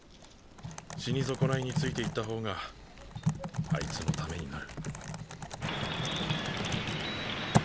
死に損ないについていった方があいつのためになる。